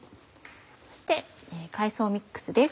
そして海藻ミックスです。